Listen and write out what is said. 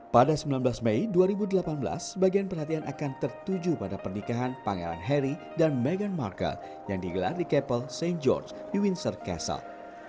pada sembilan belas mei dua ribu delapan belas bagian perhatian akan tertuju pada pernikahan pangeran harry dan meghan markle yang digelar di capel st george di windsor castle